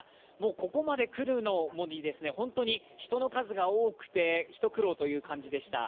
ここまで来るのに、本当に人の数が多くて一苦労という感じでした。